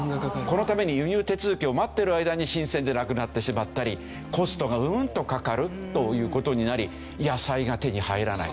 このために輸入手続きを待ってる間に新鮮でなくなってしまったりコストがうーんとかかるという事になり野菜が手に入らない。